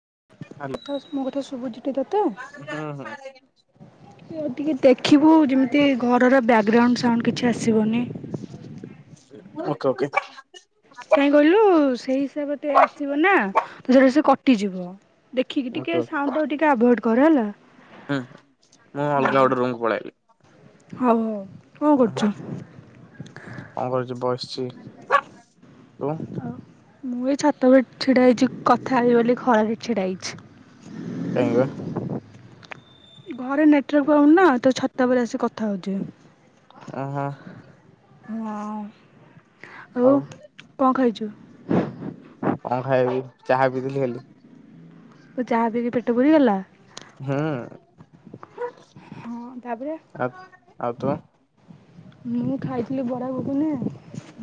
[unintelligible] ତତେ ସୁବୁ ଏଇଟା ତ ଓକେ [unintelligible] ଏ ଟିକେ ଦେଖିବୁ ଯେମତି ଘରର ବ୍ୟାଗ ଗ୍ରାଉଣ୍ଡ ସାଉଣ୍ଡ କିଛି ଆସିବିବନି [unintelligible] କାହିଁ କହିଲୁ ସେଇ ହିସାବ ତେ ଆସିବନା ତ ଯୋଉରା ସବୁ କଟିଯିବ। [unintelligible] ଦେଖିକି ଟିକେ ଓକେ। ସାଉଣ୍ଡ ଟାକୁ ଟିକେ ଆଭୁଏଡ କର ହେଲା। ହୁଁ ମୁଁ ଅଲଗା ଗୋଟେ ରୁମ୍ କୁ ପଳେଇବି। ହୋଉ ହୋଉ କଣ କରୁଚୁ ବସିଚି ତୁ [unintelligible] ମୁଁ ଏଇ ଛାତ ଉପରେ ଛିଡା ହେଇଛି କଥା ହେବି ବୋଲି ଖରାରେ ଛିଡ଼ା ହେଇଛି। କାଇଁବା ଘରେ ନେଟୱାର୍କ ପାଉନି ନା ତ ଛତା ଉପରେ ଆସି କଥା ହଉଚି। ଓଃ ହ ହଁ ଆଉ କଣ ଖାଇଚୁ? [inaudible] କଣ ଖାଇବି ଚାହା ପିଇଥିଲି ଖାଲି। [unintelligible] ତୁ ଚାହା ପିଇକି ପେଟ ପୁରିଗଲା। ହୁଁ ହଁ ତାପରେ ଆ ଆଉ ତୁ ମୁଁ ଖାଇଥିଲି ବରା ଗୁଗୁନୀ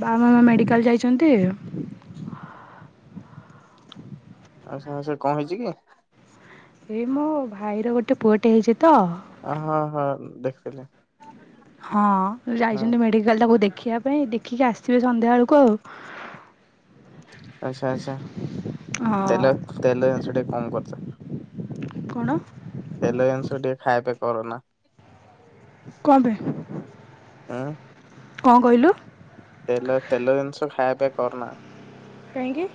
ବାବା ମାମା ମେଡିକାଲ୍ ଯାଇଚନ୍ତି ଆଚ୍ଛା ଆଚ୍ଛା କଣ ହେଇଚି କି? ସେ ମୋ ଭାଇର ଗୋଟେ ପୁଅଟେ ହେଇ ଅଂ ହଁ ହଁ ଦେଖି ଥିଲି ହଁ ଯାଇଛନ୍ତ ମେଡ଼ିକାଲଟା ତ ମୁ ଦେଖି ଖିଆ ପାଇଁ ଦେଖିକି ଆସିବେ ସନ୍ଧ୍ୟା ବେଳକୁ ଆଉ ଆଚ୍ଛା ଆଚ୍ଛା ଆଉ ତେଲ ତେଲ ଜିନିଷ ଟିକେ କମ କରୁଥା। କଣ ତେଲ ଜିନିଷ ଟିକେ ଖାଆ ପିଆ କରନା। କଣ ପାଇଁ? ଆଂ କଣ କହିଲୁ ତେଲ ତେଲ ଜିନିଷ ଖାୟ ପିଆ କରନା। କାହିଁକି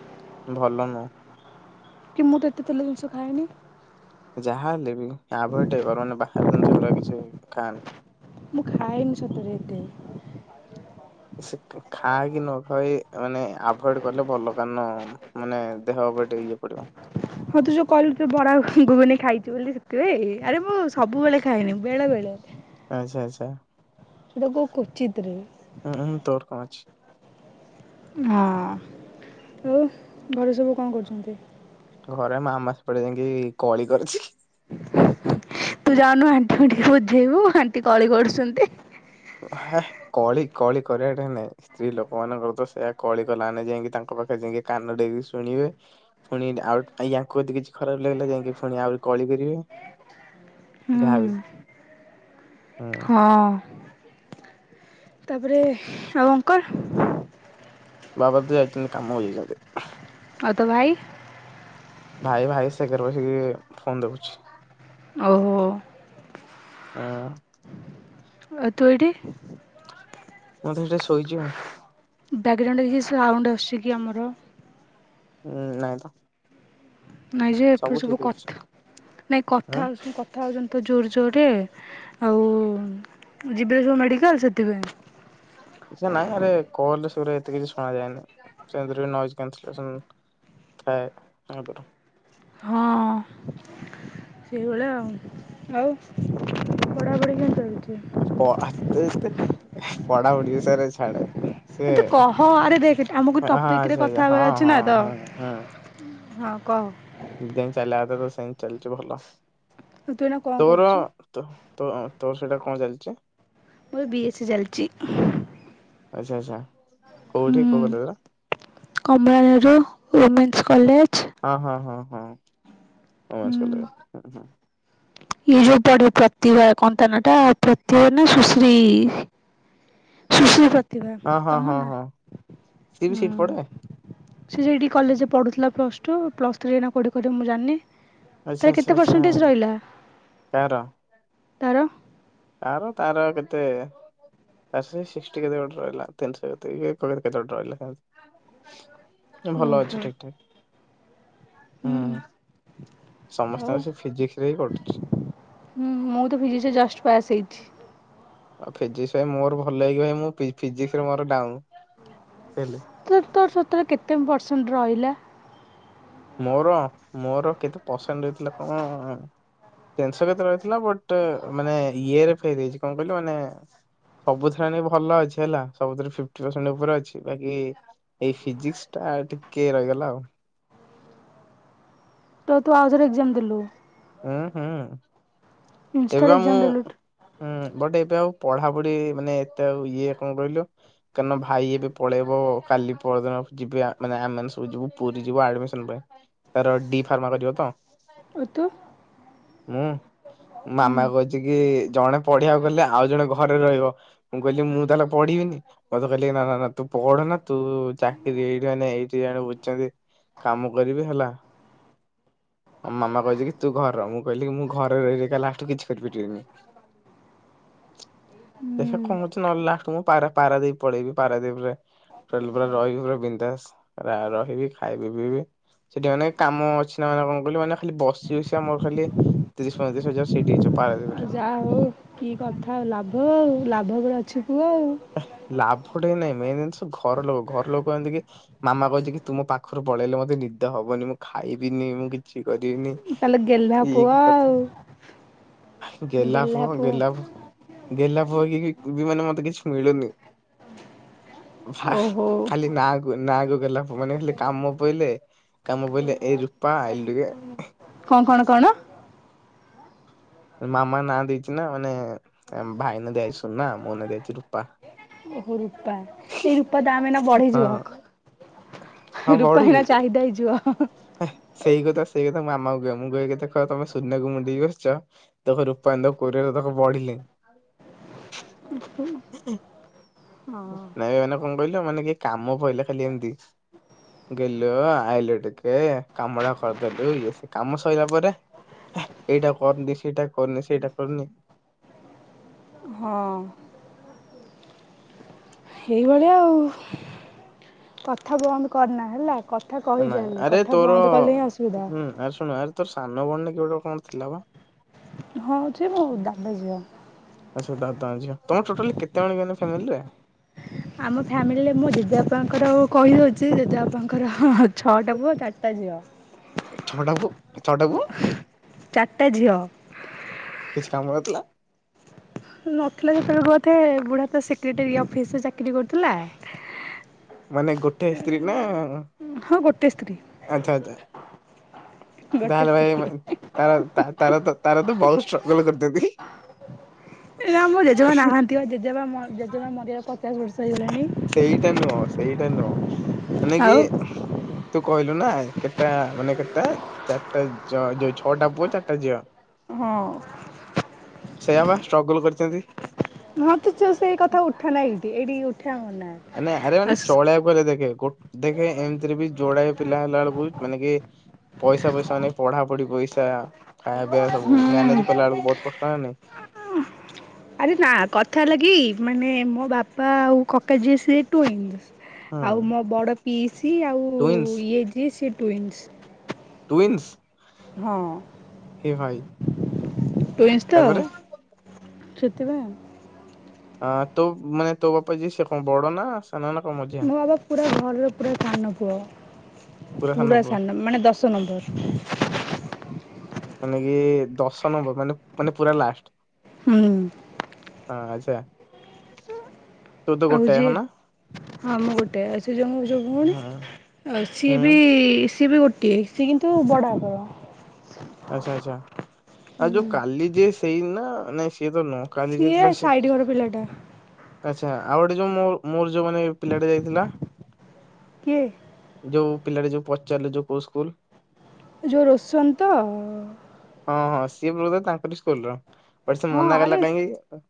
ଭଲ ନୁହଁ। କି ମୁଁ ତ ଏତେ ତେଲ ଜିନିଷ ଖାଏନି ଯାହା ହେଲେ ବି ତା ପର ଟେ ଗରନ ବାହାର ଚନ ସେଉରା କିଛି ଖାଆ ନା ମୁଁ ଖାଏନି ସତରେ ଏତେ ସେ ଖା କି ନ ଖା ମାନେ ଆଭଏଡ଼ କଲେ ଭଲ କାରଣ ମାନେ ଦେହ ଟେ ଇଏ ପଡିବ ହଁ ତୁ ଯୋଉ କହିଲୁ ତୁ ବଡ଼ା ଗୁବୁନି ଖାଇଛୁ ବୋଲି ସେଥିରେ ଆରେ ମୁଁ ସବୁବେଳେ ଖାଏନି ବେଳେ ବେଳେ ଆଛା ଆଛା ଏଗୁଡ଼ାକୁ କୁଚିତ୍ରେ ହୁଁ ହଁ ଆଉ ଘର ସବୁ କଣ କରୁଛନ୍ତି। ଘରେ ମା ମା ସେ ପଟେ ଯାଇକି କଳି କରିଛି। ତୁ ଯାଉନୁ ଆଣ୍ଟି କୁ ଟିକେ ବୁଝେଇବୁ ଆଣ୍ଟି କଳି କରୁଛନ୍ତି। ଉ ହା ହା କଳି କଳି କରିବାଟା ନାଇଁ ସ୍ତ୍ରୀ ଲୋକ ମାନଙ୍କର ତ ସେୟା କଳି କଲା ଯାଇକି ତାଙ୍କ ପାଖରେ ଯାଇକି କାନ ଡେରିକି ଶୁଣିବେ ପୁଣି ଆଉ ୟାକୁ ଯଦି କିଛି ଖରାପ ଲାଗିଲା ଯାଇକି ପୁଣି ଆହୁରି କଳି କରିବେ। ହୁଁ ଯାହାବି ହୁଁ ହଁ ତାପରେ ଆଉ ଅଙ୍କଲ ବାବା ତ ଯାଇଛନ୍ତି କାମ କୁ ଯାଇଛନ୍ତି ଆଉ ତୋ ଭାଇ ଭାଇ ଭାଇ ସେ ଘରେ ବସିକି ଫୋନ ଦେଖୁଛି ଓହ ହଁ ତୁ ଏଠି ମୁଁ ତ ଏଠି ଶୋଇଛି ଆ ବ୍ୟାକଗ୍ରାଉଣ୍ଡ କିଛି ସାଉଣ୍ଡ ଆସୁଛି କି ଆମର ହୁଁ ନାଇଁ ତ ନାଇଁ ଯେ ଏପର ସବୁ ଠିକ ଅଛି। କଥା ନାଇଁ ଉଁ କଥା ହଉଛନ୍ତି କଥା ହଉଛନ୍ତି ତ ଜୋରେ ଜୋରେ ଆଉ ଯିବେ ସବୁ ମେଡ଼ିକାଲ ସେଥିପାଇଁ ନାଇଁ ଆରେ କଲ ରେ ସେଇଗୁଡ଼ା ଏତେ କିଛି ଶୁଣାଯାଏନି ସେ ଥାଏ ହଁ। ସେଇଭଳିଆ ଆଉ ଆଉ ପଢାପଢି କେମିତି ଚାଲିଛି ପ ତୁ ଏତେ ପଢ଼ାପଢ଼ି ତେରେ ଛାଡ଼େ ଏତୁ କହ ଆରେ ଦେଖ ଆମକୁ ହଁ ଟପିକ ରେ ଆଚ୍ଛା ଆଚ୍ଛା କଥା ହଁ ହବାର ଅଛି ନା ହଁ ତ ହଁ ହଁ କ ଦେନ୍ [unintelligible] ଚାଲିଚି ଭଲ। ତୁ ଏଇନା କଣ ତୋର କରୁଛୁ? ତ ତ ତୋର ସେଟା କଣ ଚାଲିଚି? ମୋର ବି ଏ ସି ଚାଲିଚି। ଆଚ୍ଛା ଆଚ୍ଛା। କୋଉଠି କୋଉ କଲେଜରେ? ହୁଁ କମଳା ନେହେରୁ ଓମେନ୍ସ କଲେ ହଁ ହଁ। ହଁ ଆସିଗଲେ ହଁ ହୁଁ। ଏଇ ଯୋଉ ପଡିିବ ପ୍ରତିଭା କନ୍ ତା ନା ଟା ପ୍ରତିଭା ନା ସୁଶ୍ରୀ ସୁଶ୍ରୀ ପ୍ର ହଁ ହଁ ହଁ ହଁ ସିଏ ବି ହୁଁ ସେଇଟି ପଢେ? ସେ ସେଇଠି କଲେଜରେ ପଢୁଥିଲା ପ୍ଲସ ଟୁ ପ୍ଲସ ଥ୍ରୀ ଏଇନା କୋଉଠି କରିବ ମୁଁ ଯାନି। ଆଚ୍ଛା ଆଛା ଆଛା ତାର? ତାର? ତାର ତାର କେତେ ତାର ସେଇ ସିକ୍ଟି କେତେ ଗୋଟେ ରଇଲା। ତିଂଶ କେତେକି [unintelligible] କେତେ ଗୋଟେ ରଇଲା। ଭଲ ଓହୋ ଅଛି ଠିକ୍ ଠାକ୍। ହୁଁ ସମସ୍ତଙ୍କ ଆଉ ସେ ଫିଜିକ୍ସ ରେ ହି କଟୁଚି। ହୁଁ ମୁଁ ତ ଫିଜିକ୍ସରେ ଜଷ୍ଟ ପାସ୍ ହେଇଚି। ଆଉ ଫିଜିକ ପାଇଁ ମୋର ଭଲ [unintelligible] ମୁଁ ଫିଜିକ୍ସରେ ମୋର ଡାଉଁନ୍। ତ ତର। ତୋର କେତେ ପରସେଣ୍ଟ ରଇଲା? ମୋର ମୋର କେତେ ପସେଣ୍ଟ ରହିଥିଲା କଣ ତିଂଶ କେତେ ରଇଥିଲା ବଟ୍ ମାନେ ଇଏରେ ଫେଲ୍ ହେଇଚି କଣ କଇଲୁ ମାନେ ସବୁଥିରେ ମାନେ ଭଲ ଅଛି ହେଲା ସବୁଥିରେ ଫିଫ୍ଟି ପରସେଣ୍ଟ ଓପରେ ଅଛି ବାକି ଏଇ ଫିଜିକ୍ସ ଟା ଟିକେ ରହିଗଲା ଆଉ। ତ ତୁ ଆଉଥରେ ଏଗ୍ ଜାମ ଦେଲୁ। ଉଁ ହୁଁ। ଇଷ୍ଟାଟ ଏବେ ଏଗ୍ ମୁଁ ଜାମ ଦେଲୁଟ୍। ହୁଁ ବଟ୍ ଏବେ ଆଉ ପଢାପୁଢି ମାନେ ଏତେ ଆଉ ଇଏ କଣ କଇଲୁ କାରଣ ଭାଇ ଏବେ ପଳେଇବ କାଲି ପର୍ଦିନ ଜିବେ ମାନେ ଆମ୍ ମାନେ ସବୁ ଯିବୁ ପୁରି ଯିବୁ ଆଡ଼ମିଶନ ପାଇଁ ତାର ଡି ଫାର୍ମା କରିବ ତ। ଆଉ ତୁ? ମୁଁ ହୁଁ। ମାମା କଇଚିକି ଜଣେ ପଢିଆକୁ ଗଲେ ଆଉ ଜଣେ ଘରେ ରହିବ। ମୁଁ କଇଲି ମୁଁ ତାହେଲେ ପଢିବିନି ମୋତେ କହିଲେ ନା ନା ନା ତୁ ପଢନା ତୁ ଚାକିରି ଏଠି ମାନେ ଏଇଠି ଜଣ ବୁଜିଚନ୍ତି କାମ କରିବି। ହେଲା ଆ ମାମା କଇଚି କି? ତୁ ଘରେ ର ମୁଁ। କଇଲି କି ମୁଁ ଘରେ ରହି ରହି କା ଲାଷ୍ଟୁ କୁ କିଛି କରିପାରିବିନି। ଦେଖିଆ ହୁଁ କଅଁ ହଉଚି ନହେଲେ ଲାଷ୍ଟୁକୁ ମୁଁ ପାରା ପାରାଦୀପ୍ ପଳେଇିବି ପାରାଦୀପ୍ ରେ ହୋଟେଲରେ ରହିବି ପୁରା ବିନ୍ଦାସ। ରା ରହିବି ଖାଇବି ପିଇବି ସେଠି ମାନେ କାମ ଅଛି ନା କନ୍ କହିଲୁ ମାନେ ଖାଲି ବସି ବସିଆ ମୋର ଖାଲି ତିରିଶ ପଇଁତିରିଶ ହଜାର ସେଇଠି ହେଇଯିବ। ପାରାଦୀପରେ ଯାହଉ କି କଥା ଆଉ ଲାଭ ଆଉ ଲାଭ ଉପରେ ଅଛୁ ତୁ ଆଉ। ଅ ଲାଭଟା ହ ନାଇଁ ମେନ୍ ଜିନ୍ସ ଘର ଲୋକ ଘର ଲୋକ କଉଛନ୍ତି କି ମାମା କାଇଚି କି ତୁ ମ ପାଖରୁ ପଳେଇଲେ ମତେ ନିଦ ହବନି ମୁଁ ଖାଇବିନି ମୁଁ କିଛି କରିବିନି। ତାହେଲେ ଗେହ୍ଲା ଇନି ଇଏ ପୁଅ କି କଥା। ଆଉ। ଗେଲ୍ହା ପୁଅ ଗେଲ୍ହା ପୁଅ। ଗେଲ୍ହା ପୁଅ ହେଇକି ବି ମାନେ ମତେ କିଛି। ମିଳୁନି। ଭାଇ ଓହୋ ଖାଲି ନାକୁ ନାକୁ। ଗେଲ୍ହା ପୁଅ। ମାନେ ଖାଲି କାମ ପିଲ କାମ ପିଲଲେ ଏଇ ରୂପା ଆଇଲୁ ଟିକେ କଣ କଣ କଣ? ମାମା ନା ଦେଇଛି ନା ମାନେ ଭାଇନା ଦିଆ ହେଇଛି ସୁନା ମୋ ନାଁ ଦିଆ ହେଇଚି ରୂପା। ଓହୁରୁ ରୂପା ଏଇ ରୂପା ଦାମ ଏଇନା ହଁ ବଢ଼ୀଯିବ ରୂପା ଏଇନା ଚାହିଦା ହେଇଯିବ। ହେ ସେଇ କଥା ସେଇ କଥା। ମାମା କ କହ ମୁଁ କହକି ଦେଖ ତମେ ସୁନ୍ୟକୁ ମୁଣ୍ଡେଇକ ବସିଛ ତକୁ ରୂପାନ୍ତ କ ତକ ବଢିଲି ହଁ। ନାଇ ମାନେ କଣ କହିଲୁ ମାନେ କି କାମ ପାଇଲେ ଖାଲି ଏମିତି ଗେଲୁ ଆଇଲୁ ଟିକେ କାମ ଟା କରିଦେଲୁ ଇଏ ସିଏ, କାମ ସରିଲା ପରେ ଏଇଟା କରନି ସେଟା କରୁନି ସେଇଟା କରୁନି। ହଁ ଏଇଭଳିଆ ଆଉ କଥା ବନ୍ଦ କରନା ହେଲା କଥା ନାଇଁ କହିଚାଲେ ଆରେ କଥା ତୋର ବନ୍ଦ କଲେ ହିଁ ଅସୁବିଧା। ହୁଁ ଆରେ ଶୁଣ ଆ ତୋ ସାନ ବଣ କେଟ କଣ ଥିଲା ବା ହଁ ଯେ ମୁଁ ଦଣ୍ଡ ଝଅ ଆଛା ଦାଦା ଙ୍କ ଝିଅ, ତମର ଟୋଟାଲି ଏମିତି କେତେ ଜଣ କି ଫ୍ୟାମିଲୀ ରେ? ଆମ ଫ୍ୟାମିଲିରେ ମୋ ଜେଜେ ବାପାଙ୍କର ଆଉ। କହିଅଛି। ସେ ଯଦି ଆପଣଙ୍କର ଛଟ କେବୁ ଚାରଟା ଯିବ ଛୋଟା ବ ଚାରିଟା ଝିଅ। [unintelligible] କିଛି କାମ ରଥିଲା ନଥିଲା ଯେତେବେଳେ ବ ଏ ବଢା ସେକ୍ରେଟେଆ ଅଫିସରେ ବିକ୍ରି କରୁଥିଲା ମାନେ ଗୋଟେ ସ୍ତ୍ରୀ ନା ହଁ ଗୋଟେ ସ୍ତ୍ରୀ। ଆଚ୍ଛା ଆଚ୍ଛା। ଗୋଟେ ତାହେଲେ ସ୍ତ୍ରୀ। ଭାଇ ତାର ତାର ତ ତାର ତ ବହୁତ ଷ୍ଟ୍ରଗଲ କରିଥାଛନ୍ତି ଏଇନା ଆମ ଜେଜେମା ନାହାନ୍ତି ବା ଜେଜେମା ମ ଜେଜେମା ମରିବାର ପଚାଶ ବର୍ଷ ହେଇଗଲାଣି ସେଇଟା ନୁହଁ ସେଇଟା ନୁହଁ ମାନେ କି ଆଉ ତୁ କହି ନା କେତଟା ମାନେ କେତଟା। ଚାରିଟା ଯଅ ଯୋଉ ଛଅଟା ପୁଅ ଚାରିଟା ଝିଅ। ହଁ ସେଇଆା ବା ଷ୍ଟ୍ରଗଲ କରିଛନ୍ତି। ହଁ ତୁ ସେଇ କଥା ଉଠା ନାଁ ଏଇଠି ଏଇଠି। ଉଠା ମନା। ମାନେ ଆରେ ମାନେ ଆସ୍ ଚଳେଇବାକୁ ହେଲେ ଦେଖେ ଗୋଟେ ଦେଖେ ଏମିତିରେ ବି ଯୋଡାଏ। ପିଲା ହେଲା ବେଳକୁ ମାନେକି। ପଇସା ପଇସା ନାଇଁ ପଢା ପଢି ପଇସା। [unintelligible] ଖାଇବା ପିଇବା ସବୁ ମ୍ୟାନେଜ କଲା ବେଳକୁ ବହୁତ କଷ୍ଟ ନା ନାଇ [inaudible] ଆରେ ନା କଥା ଲାଗି ମାନେ ମୋ ବାପା ଆଉ କକା ଯିଏ ସିଏ ଟଇ ହଁ ଆଉ ମୋ ବଡ ପିସ୍ ସି ଆଉ ଟୁଇନ୍ସ ଇଏ ଯିଏ ସି ଟ୍ୱିନ୍ସ୍ ଟୁଇନ୍ସ ହଁ। ସେ ଭାଇ ତାପରେ ଶତିିବ ଆ ତୋ ମାନେ ତୋ ବାପା ଯ ସେ କଣ ବଡ ନା ସାନ ନା କଣ ମଝିଆ? ମୋ ବାବା ପୁରା ଘରର ପୁରା ସାନ ପୁଅ ପୁରା ସାନ ମାନେ ଦଶ ନମ୍ବର ମାନେ କି ଦଶ ନମ୍ବର ମାନେ ମାନେ ପୁରା ଲାଷ୍ଟ ହୁଁ। ହଁ ଆଚ୍ଛା। ତୁ ତ ଗୋଟେ ହଉଛି ହଁ ନା ହଁ ମୁଁ ଗୋଟେ ଅଛି ସେ ଜଙ୍ଗ ସବ ଭୁଉଣି ହୁଁ ଆଉ ସିଏ ହୁଁ ବି ସିଏ ବି ଗୋଟିଏ ସ କିନ୍ତୁ ବଡ଼ାକର ଆଛା ଆଚ୍ଛା ଆଉ ଯୋଉ କାଲି ଯେ ସେଇ ନା ଅନେଶ ସିଏ ସାଇଡ ଘର ପିଲାଟା ଆଚ୍ଛା ଆଉ ଗୋଟେ ଯୋଉ ମ ମୋର ଯୋଉ ମାନେ ପିଲାଟେ ଯାଇଥିଲା କିଏ ଯୋଉ ପିଲାଟ ଯୋଉ ପଚାରିଲେ ଯୋଉ କୋଉ ସ୍କୁଲ ଜୋଉ ରୋସନ ତ ହଁ ହଁ ସିଏ ବୃଦ୍ଧ ତାଙ୍କର ସ୍କୁଲ ର ବ ସେ ହଁ ମନା କଲା ଆରେ କାହିଁକି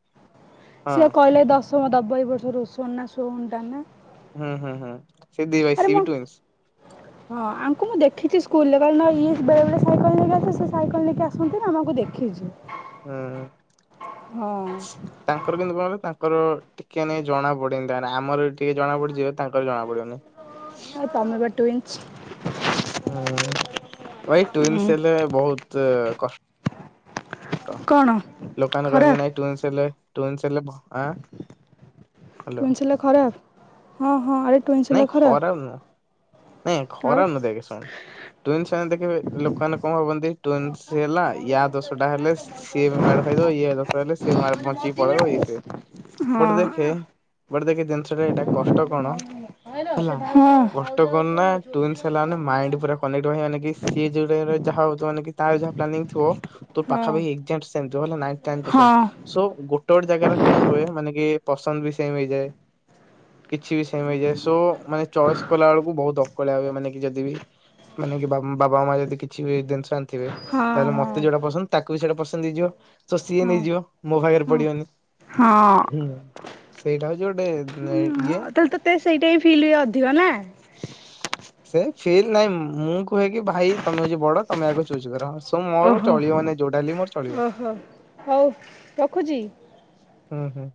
ହଁ ସିଏ କହିଲେ ଦଶମ ଦବ ବର୍ଷ ରଷ ନା ସଉଟ ନା ହୁଁ ହୁଁ ହଁ। ଆରେ ମୁ ହଁ ଆଙ୍କୁ ମୁଁ ଦେଖିଛି ସ୍କୁଲରେ କ ଏ ବେଳେବେଳେ ସାଇକେଲ ନେଇକି ଆସିବ ସୋଇକଲ ନେଇକି ଆସନ୍ତି ନା ଆମକୁ ଦେଖିଛି। ହୁଁ ହଁ ତାଙ୍କର କିନ୍ତୁ କଣ କ ତା ତାର ଟିକେ ନାଇ ଜଣା ପଡିନ୍ ଆମର ଟିକେ ଜଣା ପଡିଯିବ ତାଙ୍କର ଜଣା ପଡିବନି। ଆଉ ତମେ ବା ଟୁଇଁ। [unintelligible] ହୁଁ ଭାଇ ଉଁ ଟୁଇନସ ହେଲେ ବହୁତ। କଷ୍ଟ କଣ ଲୋକ ମାନେ କୁହନ୍ତି କି ଖରାପ ନାହିଁ ଟ୍ୱିନସ୍ ହେଲେ। ଟ୍ୱିନସ୍ ହେଲେ ଭ ଆଁ ହ୍ୟାଲୋ। ଟୁଇନ୍ ସେଲା ଖରାପ? ହଁ ହଁ ଆରେ ଟ୍ୱିନସ ନାଇଁ ହେଲେ ଖରାପ୍? ଖରାପ ନୁହଁ। ନାଇଁ ଖରାପ ନୁହଁ ଦେଖ ଶୁଣ ଟ୍ୱିନସ ମାନଙ୍କୁ ଦେଖି ଲୋକମାନେ କଣ ଭାବନ୍ତି? ଟ୍ୱିନସ୍ ହେଲା ୟା ଦୋଷଟା ହେଲେ ସିଏ ମାଡ ଖାଇଦବ ଇଏ ଦୋଷ ହେଲେ ସେ ମା ବଞ୍ଚିକି ପଳେଇବ ଏଇ ସବୁ ବଟ ହଁ। ଦେଖେ ହଁ ବଟ ଦେଖେ। ଜିନିଷଟା ଏଇଟା କଷ୍ଟ ହଁ ହଁ ହଁ ହଁ। କଣ। ହେଲା ହଁ କଷ୍ଟ କଣ୍ ନା ଟ୍ୱିନସ୍ ହେଲା ମାନେ ମାଇଣ୍ଡ ପୁରା କନେକ୍ଟ ରହିବ, ମାନେ କି ସିଏ ଯୋଉ ଟାଇମ ରେ ଯାହା ଭାବୁଥିବ ମାନେ କି ତାର ଯାହା ପ୍ଲାନିଙ୍ଗ ଥିବ ତୋ ପାଖା ପାଖି ଏକ୍ସାକ୍ଟ ସେମ ଥିବ ହେଲା, ନାଇଣ୍ଟୀ ନାଇନ୍ ପରସେଣ୍ଟ, ସୋ ଗୋଟେ ଗୋଟେ ଜାଗାରେ କଣ୍ ହୁଏ ମାନେ କି? ପସନ୍ଦ ବି ସେମ ହେଇଯାଏ। କିଛି ବି ସେମ ହେଇଯାଏ। ସୋ ମାନେ ଚଏସ୍ କଲା ବେଳକୁ ବହୁତ ଅକ୍ କଳିଆ ହୁଏ ମାନେ କି ଯଦି ବିି ମାନେ କି ବାବା ମା ଯଦି କିଛି ବି ଜିନିଷ ଆଣିଥି ବେ ତାହେଲେ ମତେ ଯୋଉଟା ପସନ୍ଦ ତାକୁ ବି ସେଟା ପସ ହେଇଯିବ ତ ସିଏ ନେଇଯିବ ମୋ ଭାଗରେ ପଡିବନି। ହଁ ହୁଁ। ସେଇଟା ହଉଛି ଗୋଟେ। ଇଏ ତାହାଲେ ତ ସେଇଟା ହି ଫିଲ୍ ହୁଏ ଅଧିକ ନା। ସେ ଫିଲ୍ ନାଇଁ ମୁଁ କୁହେ କି ଭାଇ ତୋମେ ହଉଚି ବଡ ତୋମେ ଆଗ ଚୁଜ୍ କର। ସୋ ମୋର ଓହୋ ଚଳିବ ମାନେ ଯୋଉଟା ହେଲେ ବି ମୋର ଚଳିବ। ଓହୋ ହଉ ରଖୁଚି। ହଁ, ହଁ।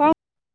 କଣ